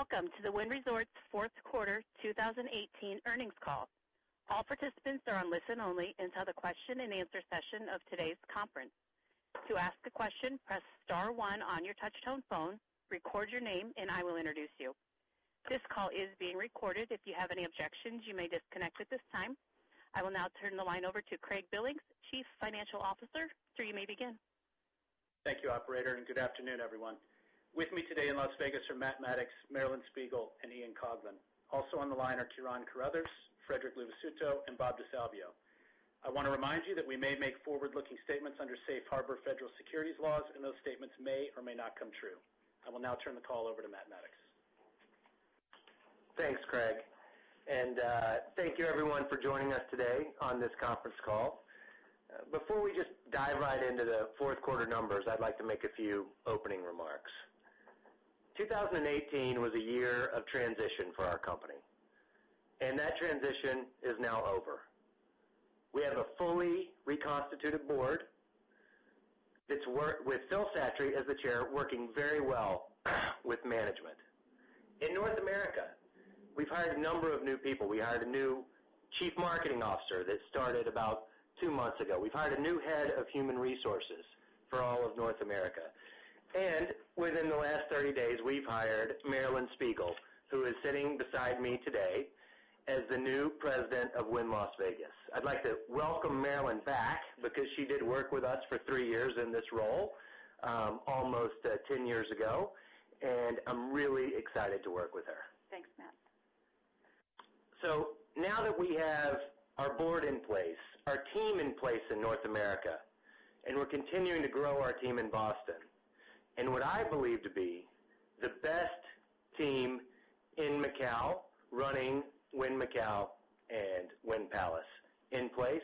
Welcome to the Wynn Resorts fourth quarter 2018 earnings call. All participants are on listen only until the question and answer session of today's conference. To ask a question, press star one on your touch-tone phone, record your name, and I will introduce you. This call is being recorded. If you have any objections, you may disconnect at this time. I will now turn the line over to Craig Billings, Chief Financial Officer. Sir, you may begin. Thank you, operator. Good afternoon, everyone. With me today in Las Vegas are Matt Maddox, Marilyn Spiegel, and Ian Coughlan. Also on the line are Ciarán Carruthers, Frederic Luvisutto, and Bob DeSalvio. I want to remind you that we may make forward-looking statements under Safe Harbor federal securities laws. Those statements may or may not come true. I will now turn the call over to Matt Maddox. Thanks, Craig. Thank you everyone for joining us today on this conference call. Before we just dive right into the fourth quarter numbers, I'd like to make a few opening remarks. 2018 was a year of transition for our company. That transition is now over. We have a fully reconstituted board that's work with Phil Satre as the chair, working very well with management. In North America, we've hired a number of new people. We hired a new chief marketing officer that started about two months ago. We've hired a new head of human resources for all of North America, and within the last 30 days, we've hired Marilyn Spiegel, who is sitting beside me today as the new President of Wynn Las Vegas. I'd like to welcome Marilyn back because she did work with us for three years in this role, almost 10 years ago. I'm really excited to work with her. Thanks, Matt. Now that we have our board in place, our team in place in North America, and we're continuing to grow our team in Boston, and what I believe to be the best team in Macau running Wynn Macau and Wynn Palace in place.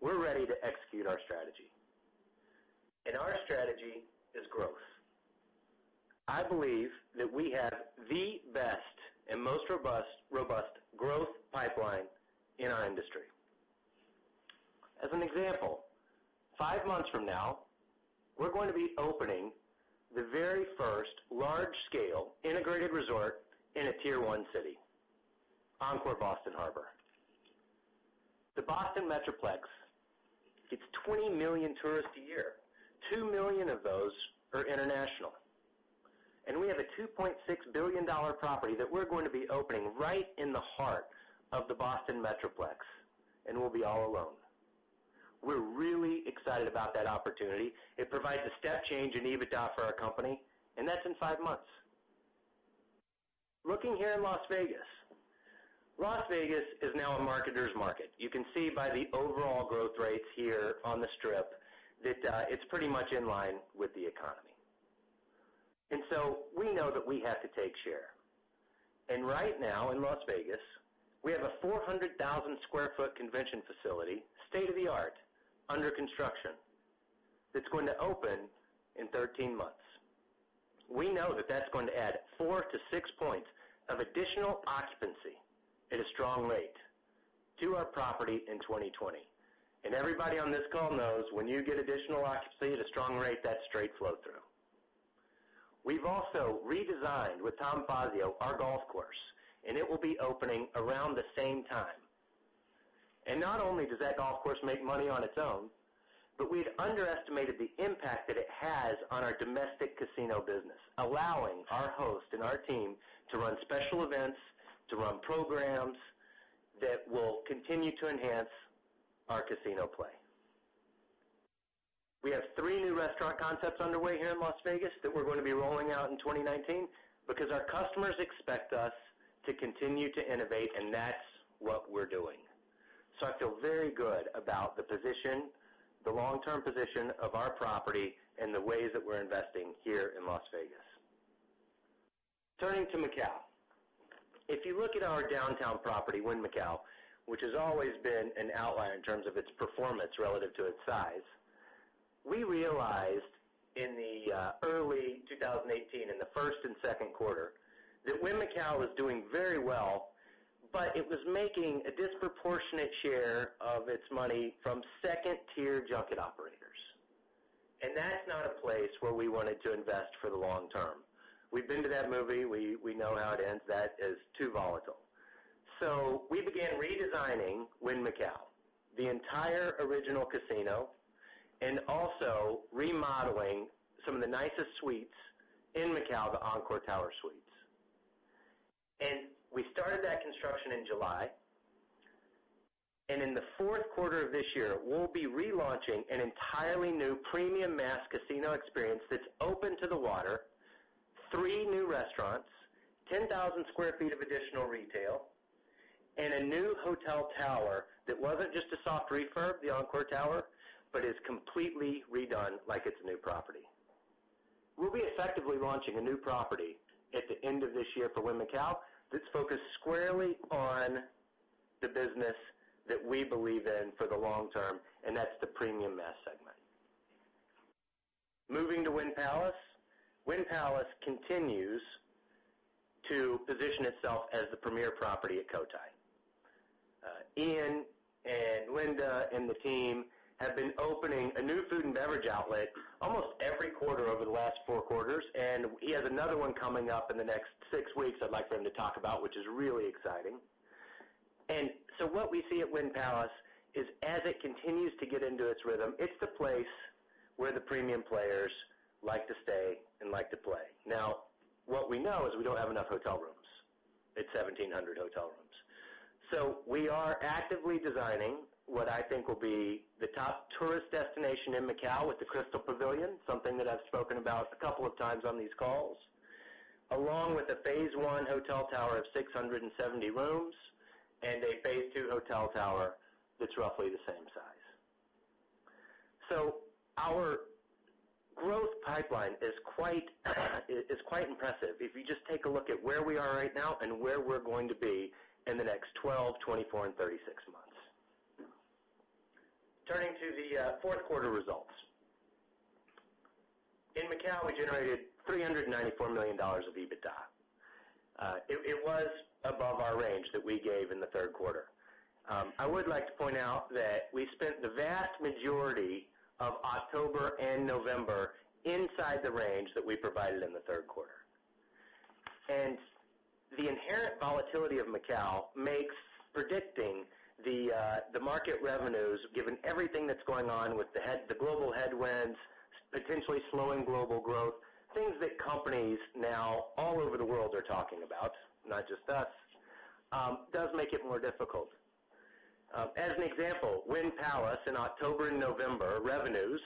We're ready to execute our strategy. Our strategy is growth. I believe that we have the best and most robust growth pipeline in our industry. As an example, 5 months from now, we're going to be opening the very first large-scale integrated resort in a Tier 1 city, Encore Boston Harbor. The Boston Metroplex, it's 20 million tourists a year. 2 million of those are international, and we have a $2.6 billion property that we're going to be opening right in the heart of the Boston Metroplex, and we'll be all alone. We're really excited about that opportunity. It provides a step change in EBITDA for our company, and that's in 5 months. Looking here in Las Vegas. Las Vegas is now a marketer's market. You can see by the overall growth rates here on the Strip that, it's pretty much in line with the economy. We know that we have to take share. Right now in Las Vegas, we have a 400,000 square foot convention facility, state-of-the-art, under construction that's going to open in 13 months. We know that that's going to add four to six points of additional occupancy at a strong rate to our property in 2020. Everybody on this call knows when you get additional occupancy at a strong rate, that's straight flow through. We've also redesigned with Tom Fazio, our golf course, and it will be opening around the same time. Not only does that golf course make money on its own, but we'd underestimated the impact that it has on our domestic casino business, allowing our host and our team to run special events, to run programs that will continue to enhance our casino play. We have three new restaurant concepts underway here in Las Vegas that we're going to be rolling out in 2019 because our customers expect us to continue to innovate, and that's what we're doing. I feel very good about the position, the long-term position of our property and the ways that we're investing here in Las Vegas. Turning to Macau. If you look at our downtown property, Wynn Macau, which has always been an outlier in terms of its performance relative to its size, we realized in the early 2018, in the first and second quarter, that Wynn Macau was doing very well, but it was making a disproportionate share of its money from second-tier junket operators. That's not a place where we wanted to invest for the long term. We've been to that movie. We know how it ends. That is too volatile. We began redesigning Wynn Macau, the entire original casino, and also remodeling some of the nicest suites in Macau, the Encore Tower Suites. We started that construction in July, and in the fourth quarter of this year, we'll be relaunching an entirely new premium mass casino experience that's open to the water, three new restaurants, 10,000 sq ft of additional retail, and a new hotel tower that wasn't just a soft refurb, the Encore Tower, but is completely redone like it's a new property. We'll be effectively launching a new property at the end of this year for Wynn Macau that's focused squarely on the business that we believe in for the long term, and that's the premium mass segment. Moving to Wynn Palace. Wynn Palace continues to position itself as the premier property at Cotai. Ian and Linda and the team have been opening a new food and beverage outlet almost every quarter over the last four quarters, and he has another one coming up in the next six weeks I'd like for him to talk about, which is really exciting. What we see at Wynn Palace is, as it continues to get into its rhythm, it's the place where the premium players like to stay and like to play. Now, what we know is we don't have enough hotel rooms. It's 1,700 hotel rooms. We are actively designing what I think will be the top tourist destination in Macau with the Crystal Pavilion, something that I've spoken about a couple of times on these calls, along with a phase 1 hotel tower of 670 rooms and a phase 2 hotel tower that's roughly the same size. Our growth pipeline is quite impressive, if you just take a look at where we are right now and where we're going to be in the next 12, 24, and 36 months. Turning to the fourth quarter results. In Macau, we generated $394 million of EBITDA. It was above our range that we gave in the third quarter. I would like to point out that we spent the vast majority of October and November inside the range that we provided in the third quarter. The inherent volatility of Macau makes predicting the market revenues, given everything that is going on with the global headwinds, potentially slowing global growth, things that companies now all over the world are talking about, not just us, does make it more difficult. As an example, Wynn Palace in October and November, revenues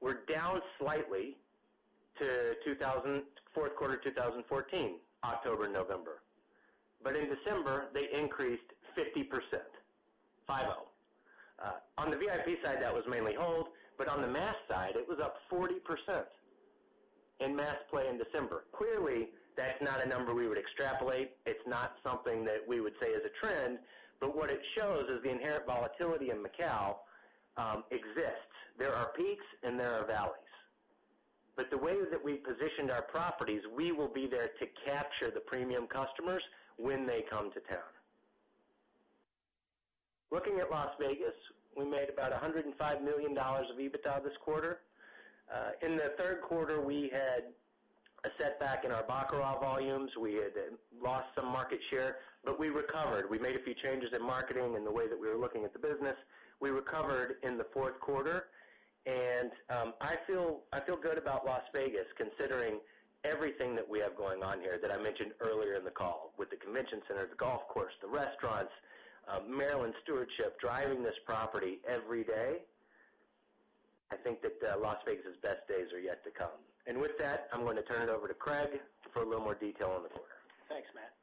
were down slightly to fourth quarter 2014, October, November. But in December, they increased 50%. On the VIP side, that was mainly hold, but on the mass side, it was up 40% in mass play in December. Clearly, that is not a number we would extrapolate. It is not something that we would say is a trend. But what it shows is the inherent volatility in Macau exists. There are peaks and there are valleys. But the way that we have positioned our properties, we will be there to capture the premium customers when they come to town. Looking at Las Vegas, we made about $105 million of EBITDA this quarter. In the third quarter, we had a setback in our baccarat volumes. We had lost some market share, but we recovered. We made a few changes in marketing and the way that we were looking at the business. We recovered in the fourth quarter, and I feel good about Las Vegas, considering everything that we have going on here that I mentioned earlier in the call with the convention center, the golf course, the restaurants, Marilyn stewardship, driving this property every day. I think that Las Vegas' best days are yet to come. With that, I am going to turn it over to Craig for a little more detail on the quarter. Thanks, Matt.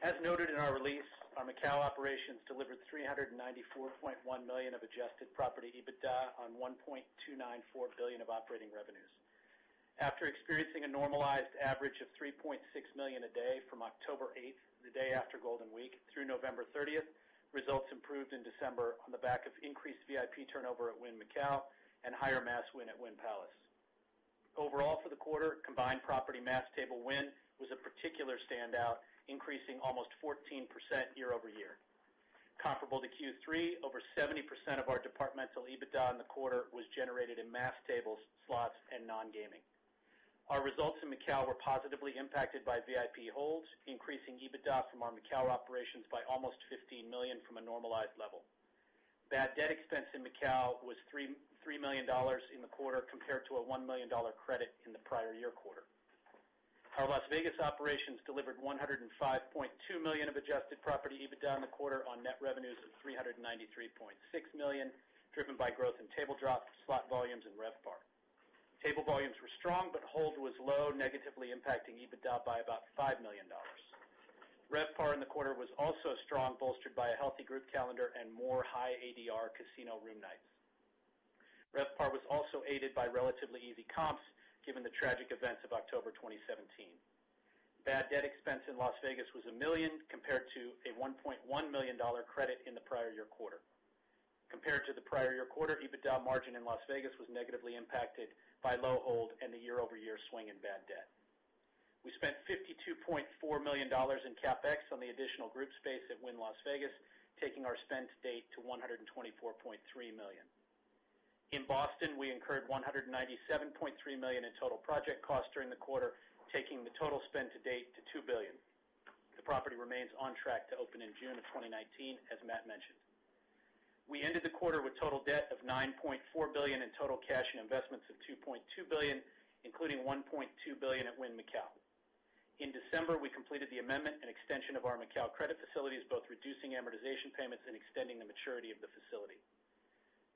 As noted in our release, our Macau operations delivered $394.1 million of adjusted property EBITDA on $1.294 billion of operating revenues. After experiencing a normalized average of $3.6 million a day from October 8th, the day after Golden Week, through November 30th, results improved in December on the back of increased VIP turnover at Wynn Macau and higher mass win at Wynn Palace. Overall for the quarter, combined property mass table win was a particular standout, increasing almost 14% year-over-year. Comparable to Q3, over 70% of our departmental EBITDA in the quarter was generated in mass tables, slots, and non-gaming. Our results in Macau were positively impacted by VIP holds, increasing EBITDA from our Macau operations by almost $15 million from a normalized level. Bad debt expense in Macau was $3 million in the quarter, compared to a $1 million credit in the prior year quarter. Our Las Vegas operations delivered $105.2 million of adjusted property EBITDA in the quarter on net revenues of $393.6 million, driven by growth in table drops, slot volumes, and RevPAR. Table volumes were strong, but hold was low, negatively impacting EBITDA by about $5 million. RevPAR in the quarter was also strong, bolstered by a healthy group calendar and more high ADR casino room nights. RevPAR was also aided by relatively easy comps, given the tragic events of October 2017. Bad debt expense in Las Vegas was $1 million, compared to a $1.1 million credit in the prior year quarter. Compared to the prior year quarter, EBITDA margin in Las Vegas was negatively impacted by low hold and a year-over-year swing in bad debt. We spent $52.4 million in CapEx on the additional group space at Wynn Las Vegas, taking our spend to date to $124.3 million. In Boston, we incurred $197.3 million in total project costs during the quarter, taking the total spend to date to $2 billion. The property remains on track to open in June 2019, as Matt mentioned. We ended the quarter with total debt of $9.4 billion and total cash and investments of $2.2 billion, including $1.2 billion at Wynn Macau. In December, we completed the amendment and extension of our Macau credit facilities, both reducing amortization payments and extending the maturity of the facility.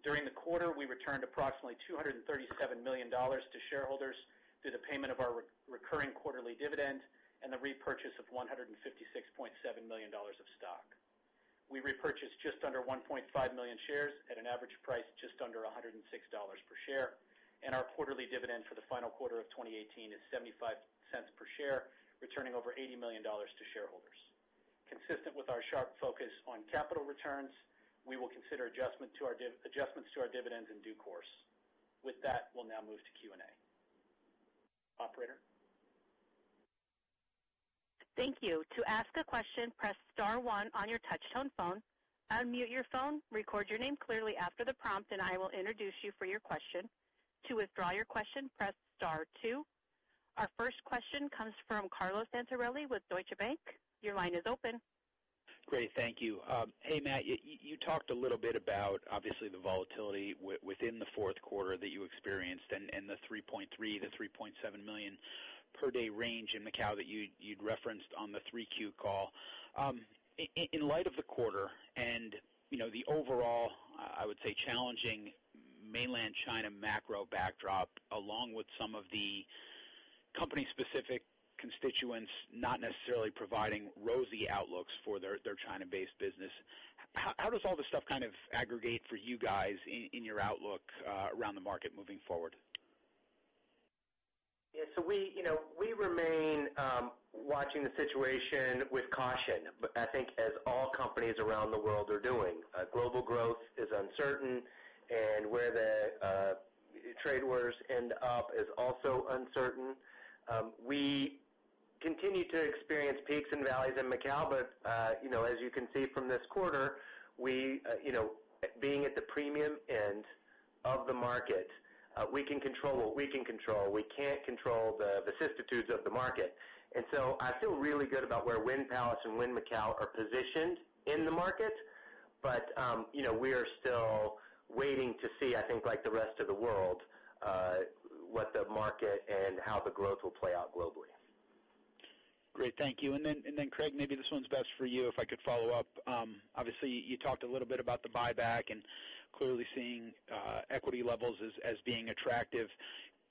During the quarter, we returned approximately $237 million to shareholders through the payment of our recurring quarterly dividend and the repurchase of $156.7 million of stock. We repurchased just under 1.5 million shares at an average price just under $106 per share, Our quarterly dividend for the final quarter of 2018 is $0.75 per share, returning over $80 million to shareholders. Consistent with our sharp focus on capital returns, we will consider adjustments to our dividends in due course. With that, we will now move to Q&A. Operator? Thank you. To ask a question, press star 1 on your touch-tone phone. Unmute your phone, record your name clearly after the prompt, and I will introduce you for your question. To withdraw your question, press star 2. Our first question comes from Carlo Santarelli with Deutsche Bank. Your line is open. Great. Thank you. Hey, Matt, you talked a little bit about, obviously, the volatility within the fourth quarter that you experienced The $3.3 million-$3.7 million per day range in Macau that you had referenced on the 3Q call. In light of the quarter and the overall, I would say, challenging mainland China macro backdrop, along with some of the company-specific constituents not necessarily providing rosy outlooks for their China-based business, how does all this stuff aggregate for you guys in your outlook around the market moving forward? Yeah. We remain watching the situation with caution, I think as all companies around the world are doing. Global growth is uncertain, and where the trade wars end up is also uncertain. We continue to experience peaks and valleys in Macau, but, as you can see from this quarter, being at the premium end of the market, we can control what we can control. We can't control the vicissitudes of the market. I feel really good about where Wynn Palace and Wynn Macau are positioned in the market. We are still waiting to see, I think, like the rest of the world, what the market and how the growth will play out globally. Great. Thank you. Craig, maybe this one's best for you, if I could follow up. Obviously, you talked a little bit about the buyback and clearly seeing equity levels as being attractive.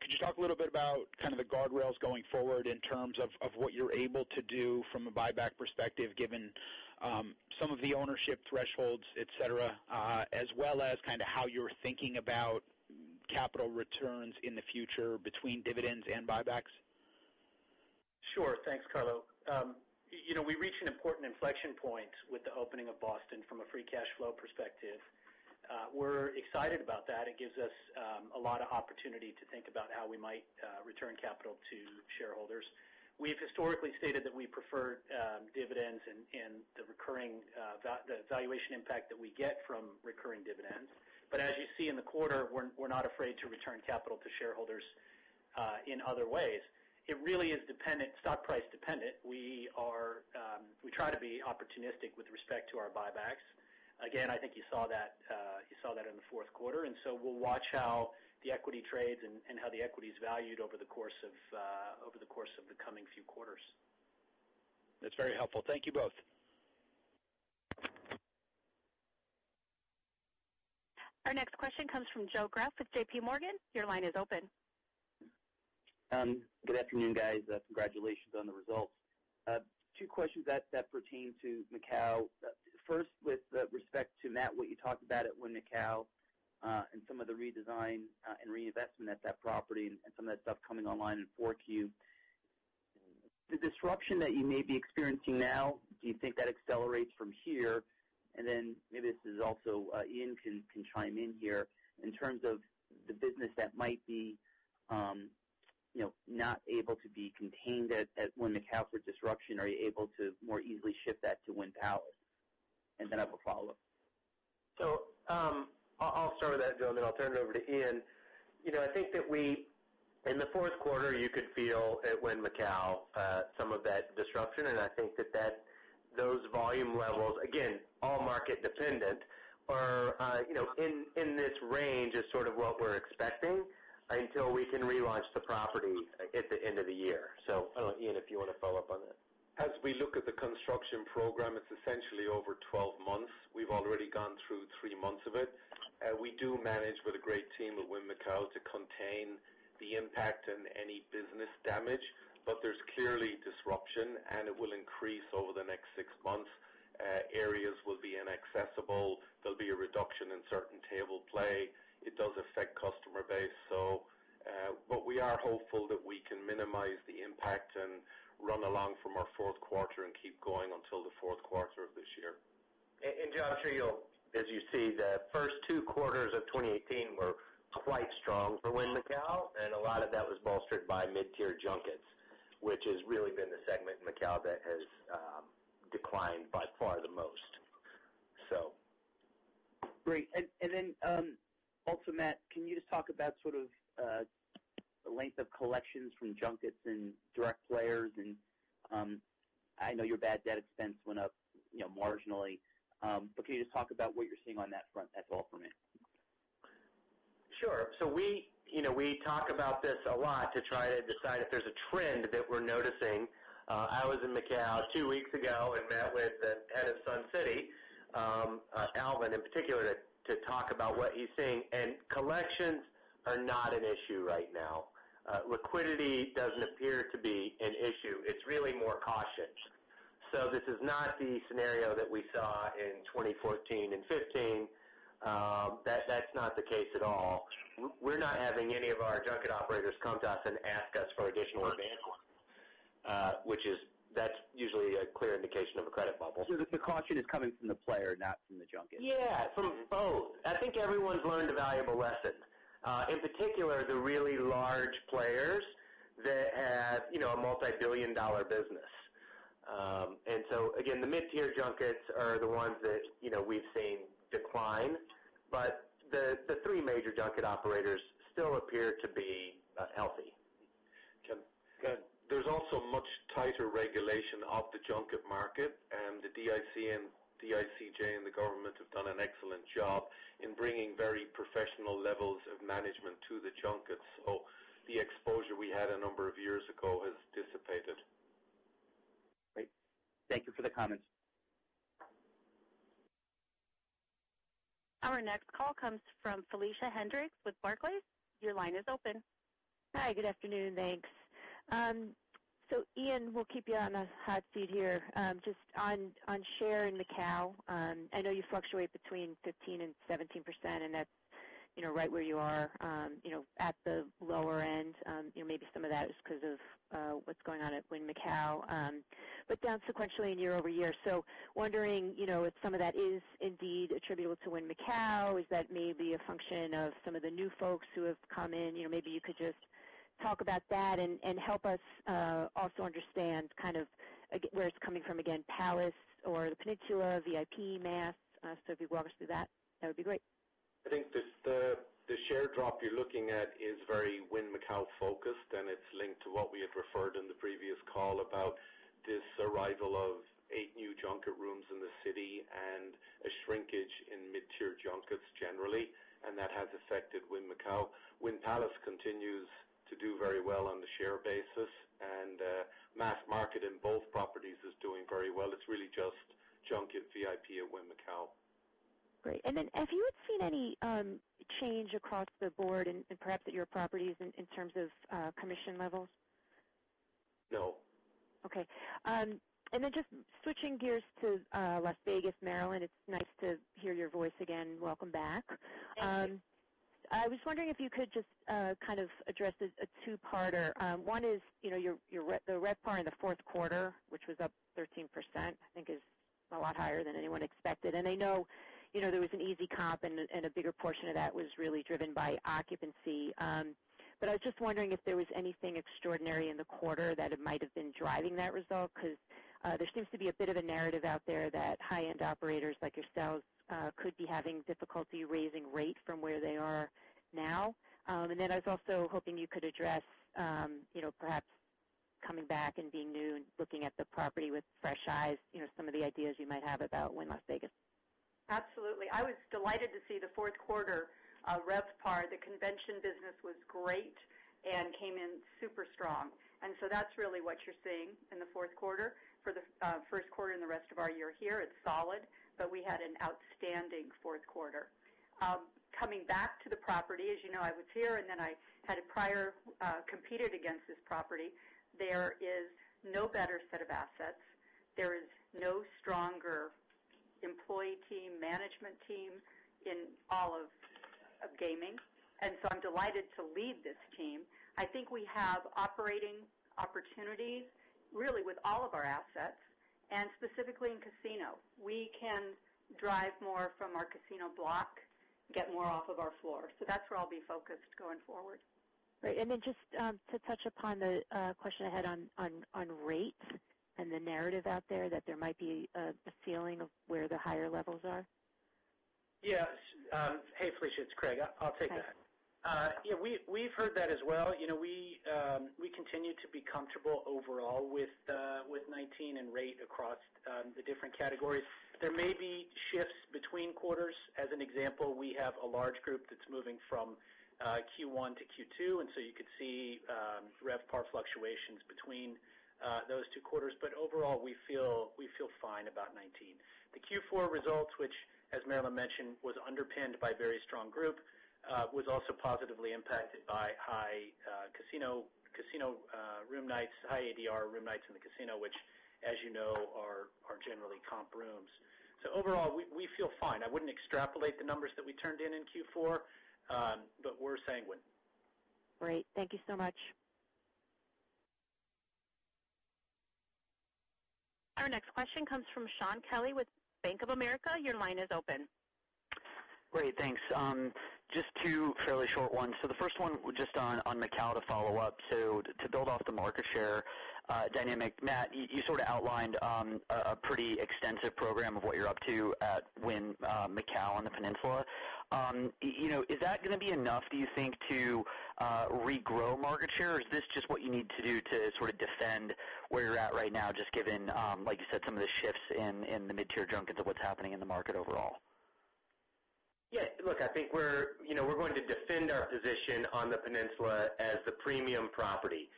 Could you talk a little bit about the guardrails going forward in terms of what you're able to do from a buyback perspective, given some of the ownership thresholds, et cetera, as well as how you're thinking about capital returns in the future between dividends and buybacks? Sure. Thanks, Carlo. We reached an important inflection point with the opening of Boston from a free cash flow perspective. We're excited about that. It gives us a lot of opportunity to think about how we might return capital to shareholders. We've historically stated that we prefer dividends and the valuation impact that we get from recurring dividends. As you see in the quarter, we're not afraid to return capital to shareholders in other ways. It really is stock price dependent. We try to be opportunistic with respect to our buybacks. Again, I think you saw that in the fourth quarter. We'll watch how the equity trades and how the equity's valued over the course of the coming few quarters. That's very helpful. Thank you both. Our next question comes from Joe Greff with J.P. Morgan. Your line is open. Good afternoon, guys. Congratulations on the results. Two questions that pertain to Macau. First, with respect to Matt, what you talked about at Wynn Macau, and some of the redesign and reinvestment at that property and some of that stuff coming online in 4Q. The disruption that you may be experiencing now, do you think that accelerates from here? Maybe this is also, Ian can chime in here. In terms of the business that might be not able to be contained at Wynn Macau for disruption, are you able to more easily ship that to Wynn Palace? I have a follow-up. I'll start with that, Joe, and then I'll turn it over to Ian. I think that in the fourth quarter, you could feel at Wynn Macau, some of that disruption, and I think that those volume levels, again, all market dependent are in this range is sort of what we're expecting until we can relaunch the property at the end of the year. Ian, if you want to follow up on that. As we look at the construction program, it's essentially over 12 months. We've already gone through three months of it. We do manage with a great team at Wynn Macau to contain the impact and any business damage. There's clearly disruption, and it will increase over the next six months. Areas will be inaccessible. There'll be a reduction in certain table play. It does affect customer base. We are hopeful that we can minimize the impact and run along from our fourth quarter and keep going until the fourth quarter of this year. Joe, I'm sure as you see, the first two quarters of 2018 were quite strong for Wynn Macau, and a lot of that was bolstered by mid-tier junkets, which has really been the segment in Macau that has declined by far the most. Great. Matt, can you just talk about sort of the length of collections from junkets and direct players and, I know your bad debt expense went up marginally. Can you just talk about what you're seeing on that front? That's all from me. Sure. We talk about this a lot to try to decide if there's a trend that we're noticing. I was in Macau two weeks ago and met with the head of Suncity, Alvin in particular, to talk about what he's seeing. Collections are not an issue right now. Liquidity doesn't appear to be an issue. It's really more cautious. This is not the scenario that we saw in 2014 and 2015. That's not the case at all. We're not having any of our junket operators come to us and ask us for additional advance. The caution is coming from the player, not from the junket? Yeah, from both. I think everyone's learned a valuable lesson. In particular, the really large players that have a multi-billion-dollar business. Again, the mid-tier junkets are the ones that we've seen decline, the three major junket operators still appear to be healthy. Okay, go ahead. There's also much tighter regulation of the junket market, and the DICJ and the government have done an excellent job in bringing very professional levels of management to the junkets. The exposure we had a number of years ago has dissipated. Great. Thank you for the comments. Our next call comes from Felicia Hendrix with Barclays. Your line is open. Hi, good afternoon. Thanks. Ian, we'll keep you on the hot seat here. Just on share in Macau, I know you fluctuate between 15%-17%, and that's right where you are, at the lower end. Maybe some of that is because of what's going on at Wynn Macau. Down sequentially and year-over-year. Wondering if some of that is indeed attributable to Wynn Macau. Is that maybe a function of some of the new folks who have come in? Maybe you could just talk about that and help us also understand where it's coming from, again, Palace or the Peninsula, VIP, mass. If you could walk us through that would be great. I think the share drop you're looking at is very Wynn Macau focused, and it's linked to what we had referred in the previous call about this arrival of eight new junket rooms in the city and a shrinkage in mid-tier junkets generally, and that has affected Wynn Macau. Wynn Palace continues to do very well on the share basis, and mass market in both properties is doing very well. It's really just junket VIP at Wynn Macau. Great. Have you seen any change across the board and perhaps at your properties in terms of commission levels? No. Okay. Just switching gears to Las Vegas, Marilyn, it's nice to hear your voice again. Welcome back. Thank you. I was wondering if you could just address this, a two-parter. One is, the RevPAR in the fourth quarter, which was up 13%, I think is a lot higher than anyone expected. I know there was an easy comp, a bigger portion of that was really driven by occupancy. I was just wondering if there was anything extraordinary in the quarter that might have been driving that result, because there seems to be a bit of a narrative out there that high-end operators like yourselves could be having difficulty raising rate from where they are now. I was also hoping you could address, perhaps coming back and being new and looking at the property with fresh eyes, some of the ideas you might have about Wynn Las Vegas. Absolutely. I was delighted to see the fourth quarter RevPAR. The convention business was great and came in super strong. That's really what you're seeing in the fourth quarter. For the first quarter and the rest of our year here, it's solid, we had an outstanding fourth quarter. Coming back to the property, as you know, I was here I had prior competed against this property. There is no better set of assets. There is no stronger employee team, management team in all of gaming. I'm delighted to lead this team. I think we have operating opportunities really with all of our assets, specifically in casino. We can drive more from our casino block, get more off of our floor. That's where I'll be focused going forward. Great. Just to touch upon the question I had on rates and the narrative out there that there might be a ceiling of where the higher levels are. Yes. Hey, Felicia, it's Craig. I'll take that. Hi. Yeah, we've heard that as well. We continue to be comfortable overall with 2019 and rate across the different categories. There may be shifts between quarters. As an example, we have a large group that's moving from Q1 to Q2, you could see RevPAR fluctuations between those two quarters. Overall, we feel fine about 2019. The Q4 results, which as Marilyn mentioned, was underpinned by a very strong group, was also positively impacted by high casino room nights, high ADR room nights in the casino, which, as you know, are generally comp rooms. Overall, we feel fine. I wouldn't extrapolate the numbers that we turned in in Q4, but we're sanguine. Great. Thank you so much. Our next question comes from Shaun Kelley with Bank of America. Your line is open. Great, thanks. Just two fairly short ones. The first one, just on Macau to follow up. To build off the market share dynamic, Matt, you sort of outlined a pretty extensive program of what you're up to at Wynn Macau on the Peninsula. Is that going to be enough, do you think, to regrow market share? Or is this just what you need to do to sort of defend where you're at right now, just given, like you said, some of the shifts in the mid-tier junkets of what's happening in the market overall? Yeah, look, I think we're going to defend our position on the Peninsula as the premium property.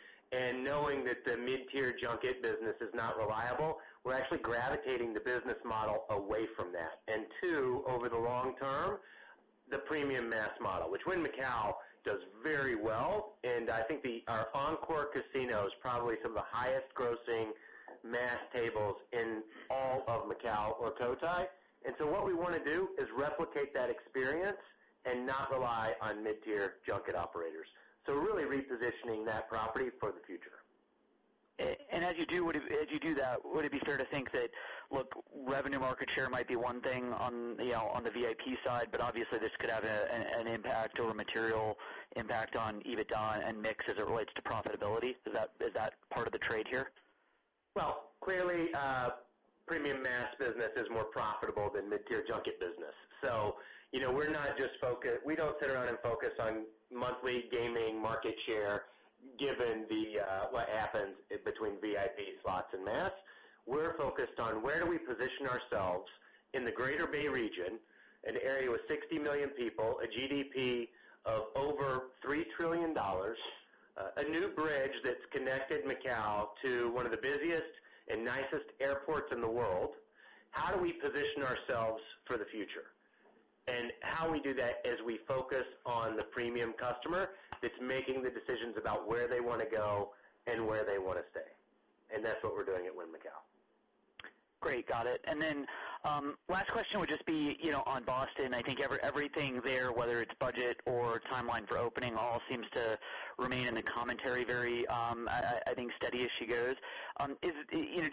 Knowing that the mid-tier junket business is not reliable, we're actually gravitating the business model away from that. Two, over the long term, the premium mass model, which Wynn Macau does very well. I think our Encore casino is probably some of the highest grossing mass tables in all of Macau or Cotai. What we want to do is replicate that experience and not rely on mid-tier junket operators. Really repositioning that property for the future. And as you do that, would it be fair to think that revenue market share might be one thing on the VIP side, but obviously, this could have an impact or a material impact on EBITDA and mix as it relates to profitability? Is that part of the trade here? Well, clearly, premium mass business is more profitable than mid-tier junket business. We don't sit around and focus on monthly gaming market share, given what happens between VIP slots and mass. We're focused on where do we position ourselves in the Greater Bay region, an area with 60 million people, a GDP of over $3 trillion, a new bridge that's connected Macau to one of the busiest and nicest airports in the world. How do we position ourselves for the future? How we do that is we focus on the premium customer that's making the decisions about where they want to go and where they want to stay. That's what we're doing at Wynn Macau. Great. Got it. Last question would just be on Boston. I think everything there, whether it's budget or timeline for opening, all seems to remain in the commentary very, I think, steady as she goes.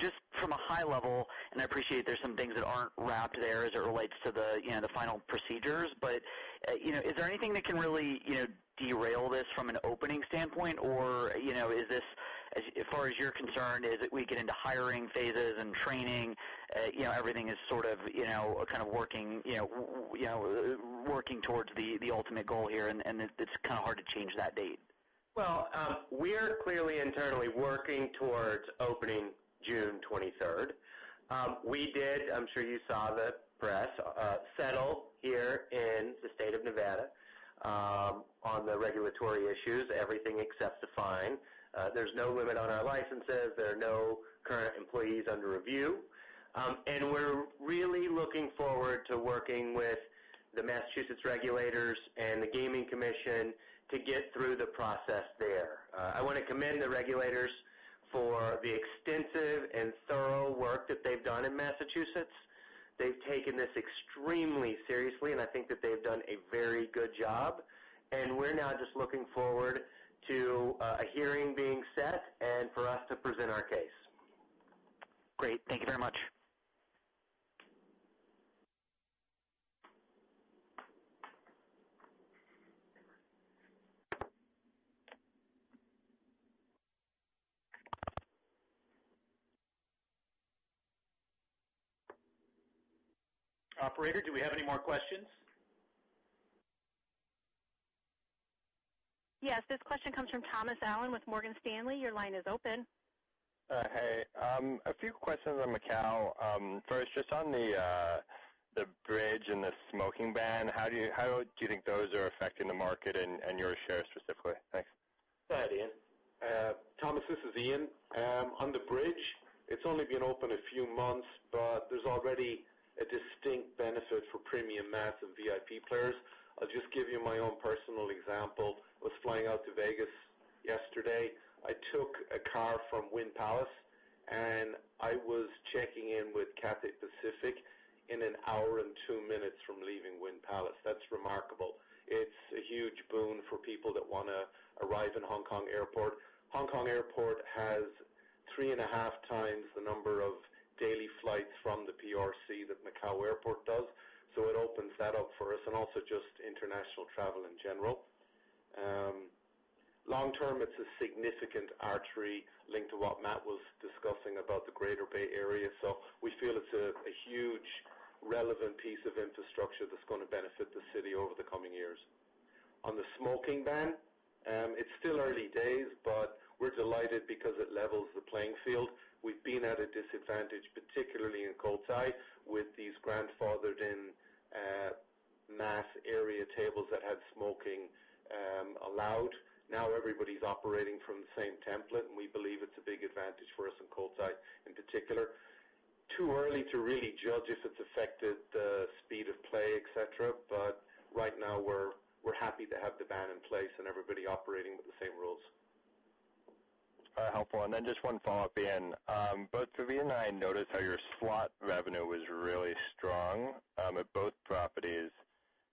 Just from a high level, and I appreciate there's some things that aren't wrapped there as it relates to the final procedures, is there anything that can really derail this from an opening standpoint? Or is this, as far as you're concerned, as we get into hiring phases and training, everything is sort of working towards the ultimate goal here, and it's kind of hard to change that date? Well, we're clearly internally working towards opening June 23rd. We did, I'm sure you saw the press, settle here in the state of Nevada on the regulatory issues, everything except the fine. There's no limit on our licenses. There are no current employees under review. We're really looking forward to working with the Massachusetts regulators and the Gaming Commission to get through the process there. I want to commend the regulators for the extensive and thorough work that they've done in Massachusetts. They've taken this extremely seriously, and I think that they've done a very good job, and we're now just looking forward to a hearing being set and for us to present our case. Great. Thank you very much. Operator, do we have any more questions? Yes, this question comes from Thomas Allen with Morgan Stanley. Your line is open. Hey. A few questions on Macau. First, just on the bridge and the smoking ban, how do you think those are affecting the market and your shares specifically? Thanks. Go ahead, Ian. Thomas, this is Ian. On the bridge, it's only been open a few months, but there's already a distinct benefit for premium mass and VIP players. I'll just give you my own personal example. I was flying out to Vegas yesterday. I took a car from Wynn Palace, and I was checking in with Cathay Pacific in one hour and two minutes from leaving Wynn Palace. That's remarkable. It's a huge boon for people that want to arrive in Hong Kong Airport. Hong Kong Airport has three and a half times the number of daily flights from the PRC that Macau Airport does, so it opens that up for us, and also just international travel in general. Long term, it's a significant artery linked to what Matt was discussing about the Greater Bay Area. We feel it's a huge relevant piece of infrastructure that's going to benefit the city over the coming years. On the smoking ban, it's still early days, but we're delighted because it levels the playing field. We've been at a disadvantage, particularly in Cotai, with these grandfathered-in mass area tables that had smoking allowed. Now everybody's operating from the same template, and we believe it's a big advantage for us in Cotai in particular. Too early to really judge if it's affected the speed of play, et cetera, but right now we're happy to have the ban in place and everybody operating with the same rules. Helpful. Just one follow-up, Ian. Both Vivian and I noticed how your slot revenue was really strong at both properties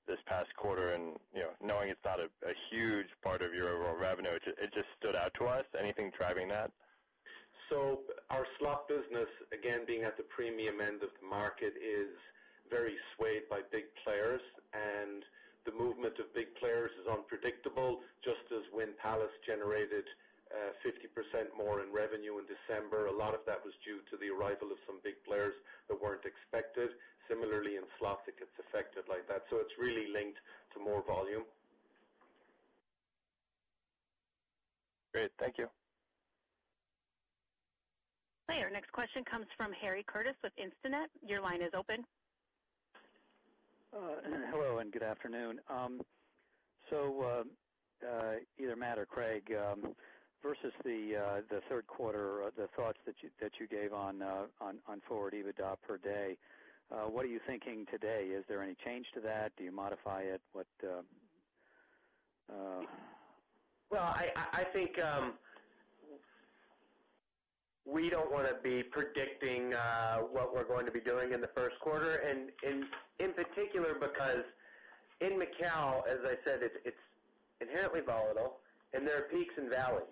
this past quarter, and knowing it's not a huge part of your overall revenue, it just stood out to us. Anything driving that? Our slot business, again, being at the premium end of the market, is very swayed by big players, and the movement of big players is unpredictable. Just as Wynn Palace generated 50% more in revenue in December, a lot of that was due to the arrival of some big players that weren't expected. Similarly, in slots, it gets affected like that. It's really linked to more volume. Great. Thank you. Our next question comes from Harry Curtis with Instinet. Your line is open. Hello, and good afternoon. Either Matt or Craig, versus the third quarter, the thoughts that you gave on forward EBITDA per day, what are you thinking today? Is there any change to that? Do you modify it? What I think we don't want to be predicting what we're going to be doing in the first quarter, in particular because in Macau, as I said, it's inherently volatile, and there are peaks and valleys.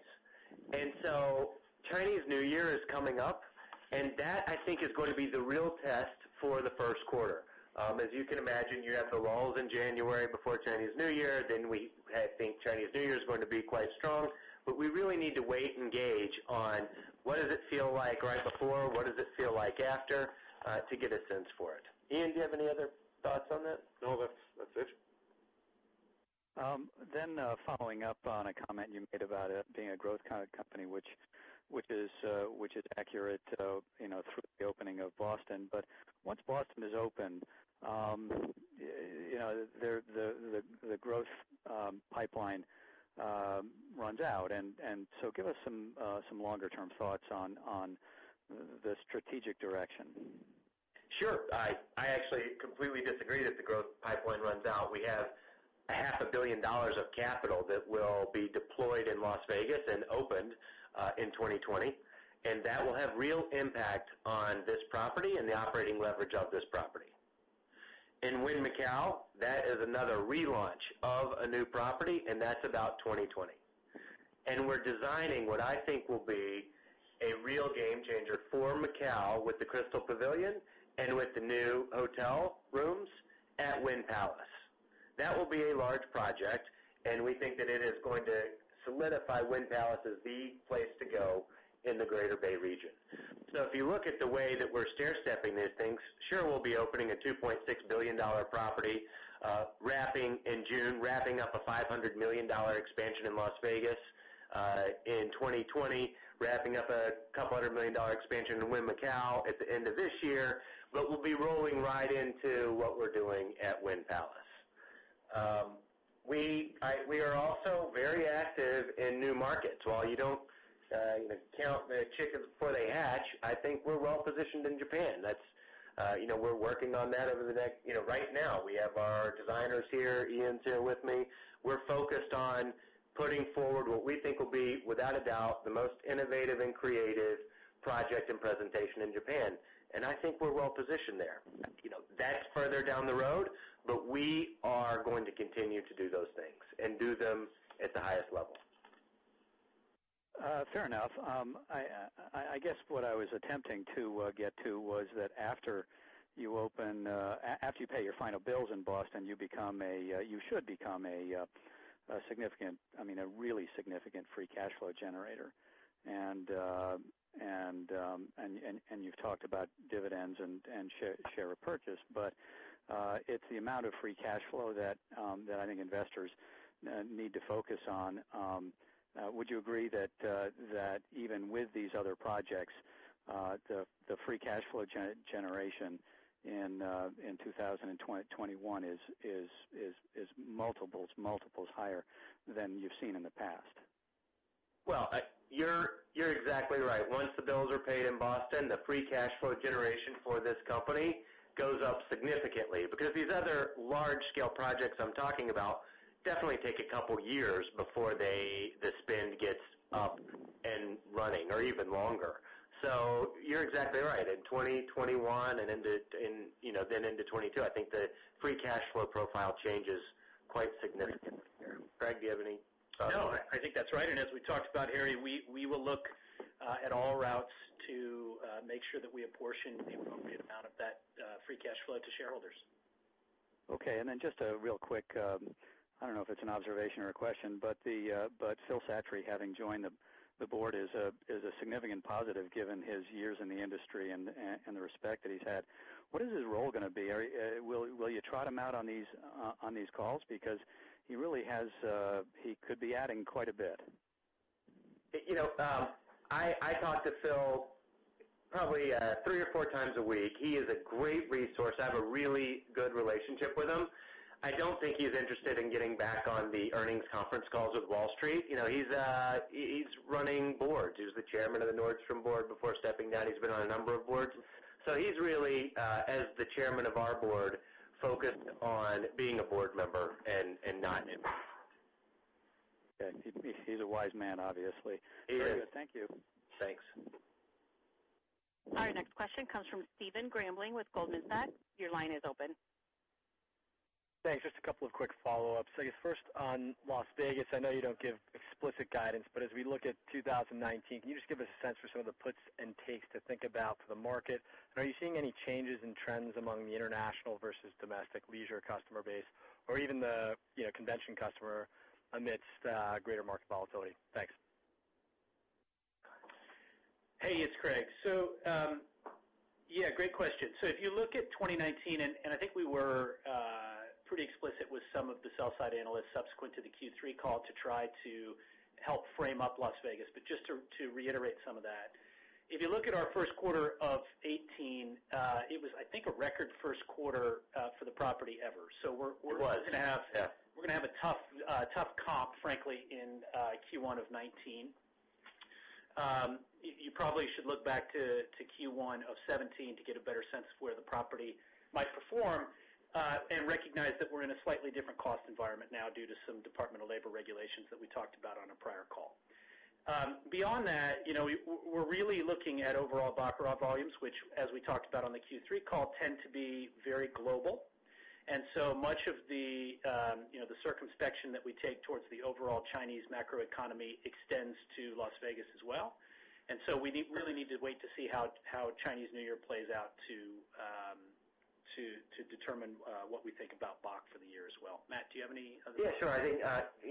Chinese New Year is coming up, that, I think, is going to be the real test for the first quarter. As you can imagine, you have the lulls in January before Chinese New Year, then I think Chinese New Year is going to be quite strong, but we really need to wait and gauge on what does it feel like right before, what does it feel like after, to get a sense for it. Ian, do you have any other thoughts on that? No, that's it. Following up on a comment you made about it being a growth kind of company, which is accurate through the opening of Boston. Once Boston is opened, the growth pipeline runs out. Give us some longer-term thoughts on the strategic direction. Sure. I actually completely disagree that the growth pipeline runs out. We have a half a billion dollars of capital that will be deployed in Las Vegas and opened in 2020. That will have real impact on this property and the operating leverage of this property. In Wynn Macau, that is another relaunch of a new property, and that's about 2020. We're designing what I think will be a real game changer for Macau, with the Crystal Pavilion and with the new hotel rooms at Wynn Palace. That will be a large project, and we think that it is going to solidify Wynn Palace as the place to go in the Greater Bay region. If you look at the way that we're stairstepping these things, sure, we'll be opening a $2.6 billion property in June, wrapping up a $500 million expansion in Las Vegas. In 2020, wrapping up a couple of hundred million dollar expansion in Wynn Macau at the end of this year, we'll be rolling right into what we're doing at Wynn Palace. We are also very active in new markets. While you don't count the chickens before they hatch, I think we're well positioned in Japan. We're working on that over the next. Right now, we have our designers here, Ian's here with me. We're focused on putting forward what we think will be, without a doubt, the most innovative and creative project and presentation in Japan. I think we're well-positioned there. That's further down the road, we are going to continue to do those things and do them at the highest level. Fair enough. I guess what I was attempting to get to was that after you pay your final bills in Boston, you should become a really significant free cash flow generator. You've talked about dividends and share repurchase, but it's the amount of free cash flow that I think investors need to focus on. Would you agree that even with these other projects, the free cash flow generation in 2021 is multiples higher than you've seen in the past? Well, you're exactly right. Once the bills are paid in Boston, the free cash flow generation for this company goes up significantly because these other large-scale projects I'm talking about definitely take a couple of years before the spend gets up and running, or even longer. You're exactly right. In 2021 and then into 2022, I think the free cash flow profile changes quite significantly. Craig, do you have any thoughts on that? No, I think that's right. As we talked about, Harry, we will look at all routes to make sure that we apportion the appropriate amount of that free cash flow to shareholders. Okay, just a real quick, I don't know if it's an observation or a question, Phil Satre having joined the board is a significant positive given his years in the industry and the respect that he's had. What is his role going to be? Will you trot him out on these calls? He could be adding quite a bit. I talk to Phil probably three or four times a week. He is a great resource. I have a really good relationship with him. I don't think he's interested in getting back on the earnings conference calls with Wall Street. He's running boards. He was the chairman of the Nordstrom board before stepping down. He's been on a number of boards. He's really, as the chairman of our board, focused on being a board member and not. Okay. He's a wise man, obviously. He is. Very good. Thank you. Thanks. Our next question comes from Stephen Grambling with Goldman Sachs. Your line is open. Thanks. Just a couple of quick follow-ups. I guess first on Las Vegas, I know you don't give explicit guidance, but as we look at 2019, can you just give us a sense for some of the puts and takes to think about for the market? Are you seeing any changes in trends among the international versus domestic leisure customer base or even the convention customer amidst greater market volatility? Thanks. Hey, it's Craig. Yeah, great question. If you look at 2019, I think we were pretty explicit with some of the sell side analysts subsequent to the Q3 call to try to help frame up Las Vegas. Just to reiterate some of that. If you look at our first quarter of 2018, it was, I think, a record first quarter for the property ever. It was, yeah. We're going to have a tough comp, frankly, in Q1 of 2019. You probably should look back to Q1 of 2017 to get a better sense of where the property might perform, and recognize that we're in a slightly different cost environment now due to some Department of Labor regulations that we talked about on our Beyond that, we're really looking at overall baccarat volumes, which as we talked about on the Q3 call, tend to be very global. Much of the circumspection that we take towards the overall Chinese macro economy extends to Las Vegas as well. We really need to wait to see how Chinese New Year plays out to determine what we think about bac for the year as well. Matt, do you have any other- Yeah, sure. I think,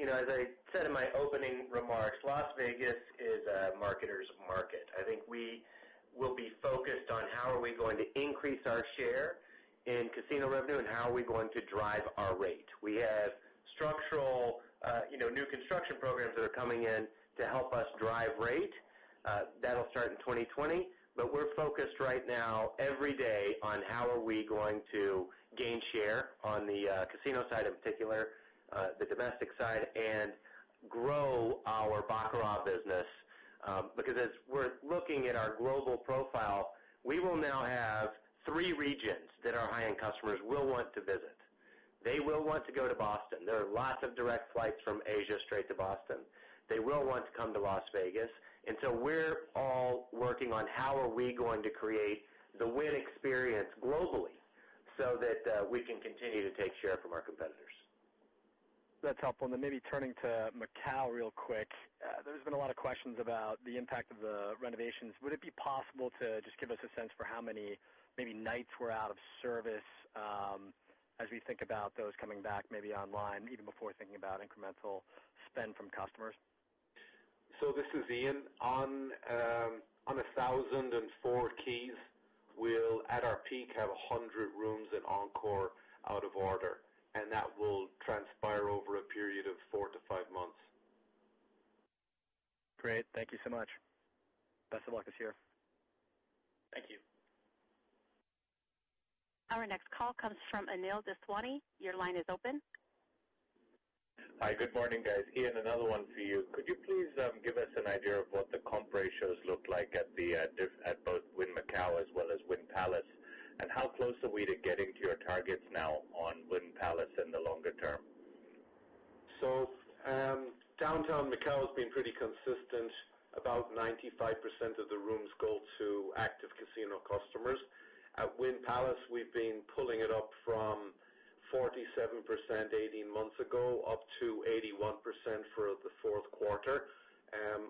as I said in my opening remarks, Las Vegas is a marketer's market. I think we will be focused on how are we going to increase our share in casino revenue and how are we going to drive our rate. We have structural, new construction programs that are coming in to help us drive rate. That'll start in 2020. We're focused right now, every day, on how are we going to gain share on the casino side in particular, the domestic side, and grow our baccarat business. Because as we're looking at our global profile, we will now have three regions that our high-end customers will want to visit. They will want to go to Boston. There are lots of direct flights from Asia straight to Boston. They will want to come to Las Vegas. We're all working on how are we going to create the Wynn experience globally, so that we can continue to take share from our competitors. That's helpful. Maybe turning to Macau real quick. There's been a lot of questions about the impact of the renovations. Would it be possible to just give us a sense for how many, maybe, nights were out of service as we think about those coming back, maybe online, even before thinking about incremental spend from customers? This is Ian. On 1,004 keys, we'll, at our peak, have 100 rooms in Encore out of order, and that will transpire over a period of four to five months. Great. Thank you so much. Best of luck this year. Thank you. Our next call comes from Anil Daswani. Your line is open. Hi. Good morning, guys. Ian, another one for you. Could you please give us an idea of what the comp ratios look like at both Wynn Macau as well as Wynn Palace. How close are we to getting to your targets now on Wynn Palace in the longer term? downtown Macau's been pretty consistent. About 95% of the rooms go to active casino customers. At Wynn Palace, we've been pulling it up from 47% 18 months ago, up to 81% for the fourth quarter.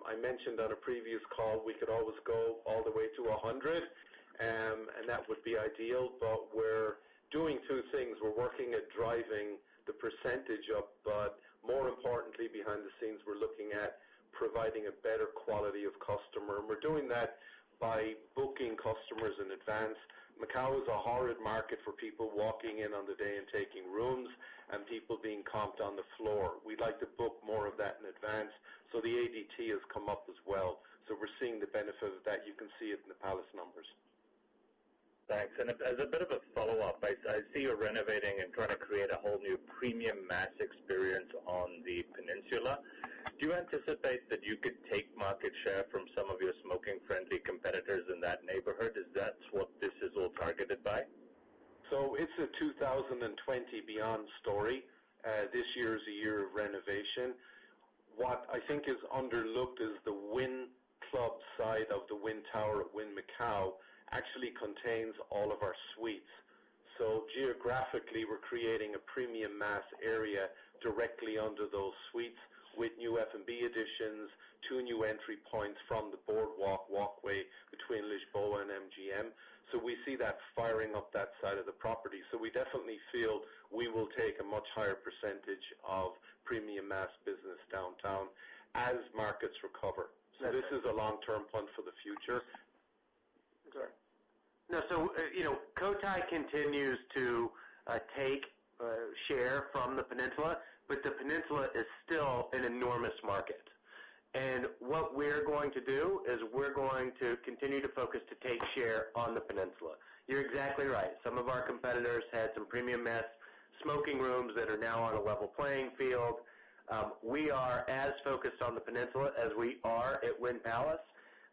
I mentioned on a previous call, we could always go all the way to 100, and that would be ideal. We're doing two things. We're working at driving the percentage up, but more importantly, behind the scenes, we're looking at providing a better quality of customer. We're doing that by booking customers in advance. Macau is a horrid market for people walking in on the day and taking rooms, and people being comped on the floor. We'd like to book more of that in advance. The ADT has come up as well. We're seeing the benefit of that. You can see it in the Palace numbers. Thanks. As a bit of a follow-up, I see you're renovating and trying to create a whole new premium mass experience on the peninsula. Do you anticipate that you could take market share from some of your smoking-friendly competitors in that neighborhood? Is that what this is all targeted by? It's a 2020 beyond story. This year is a year of renovation. What I think is underlooked is the Wynn Club side of the Wynn Tower at Wynn Macau, actually contains all of our suites. Geographically, we're creating a premium mass area directly under those suites with new F&B additions, two new entry points from the boardwalk walkway between Lisboa and MGM. We see that firing up that side of the property. We definitely feel we will take a much higher percentage of premium mass business downtown as markets recover. This is a long-term punt for the future. No. Cotai continues to take share from the peninsula, the peninsula is still an enormous market. What we're going to do is we're going to continue to focus to take share on the peninsula. You're exactly right. Some of our competitors had some premium mass smoking rooms that are now on a level playing field. We are as focused on the peninsula as we are at Wynn Palace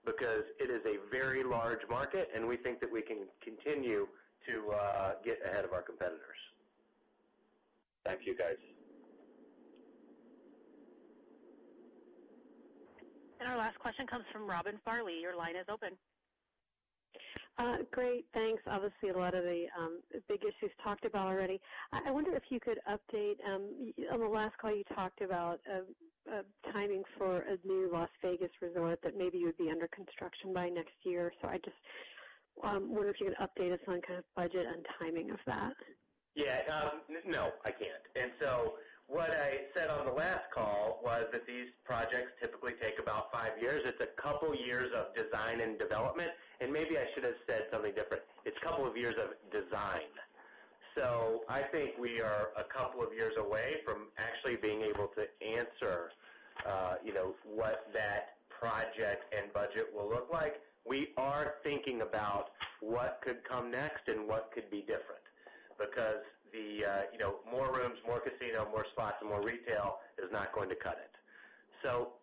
because it is a very large market, and we think that we can continue to get ahead of our competitors. Thank you, guys. Our last question comes from Robin Farley. Your line is open. Great. Thanks. Obviously, a lot of the big issues talked about already. I wonder if you could update. On the last call, you talked about timing for a new Las Vegas resort that maybe would be under construction by next year. I just wonder if you could update us on kind of budget and timing of that. Yeah. No, I can't. What I said on the last call was that these projects typically take about five years. It's a couple years of design and development, and maybe I should have said something different. It's a couple of years of design. I think we are a couple of years away from actually being able to answer what that project and budget will look like. We are thinking about what could come next and what could be different, because more rooms, more casino, more spots, and more retail is not going to cut it.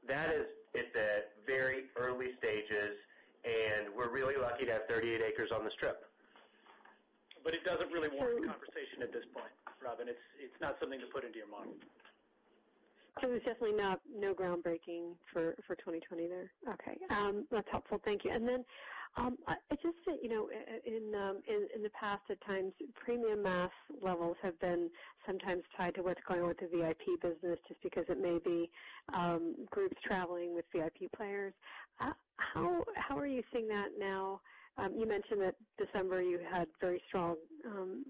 That is at the very early stages, and we're really lucky to have 38 acres on the Strip. It doesn't really warrant conversation at this point, Robin. It's not something to put into your model. There's definitely no groundbreaking for 2020 there? Okay. That's helpful. Thank you. I just think, in the past, at times, premium mass levels have been sometimes tied to what's going on with the VIP business, just because it may be groups traveling with VIP players. How are you seeing that now? You mentioned that December you had very strong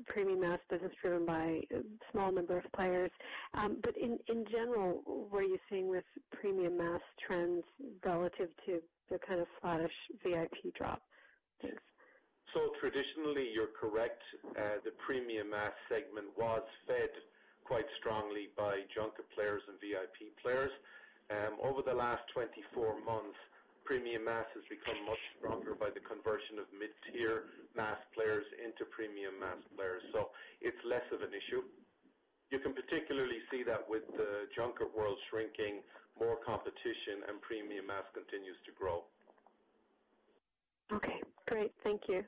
premium mass business driven by a small number of players. In general, what are you seeing with premium mass trends relative to the kind of flattish VIP drop? Traditionally, you're correct. The premium mass segment was fed quite strongly by junket players and VIP players. Over the last 24 months, premium mass has become much stronger by the conversion of mid-tier mass players into premium mass players. It's less of an issue. You can particularly see that with the junket world shrinking, more competition, and premium mass continues to grow. Okay, great. Thank you.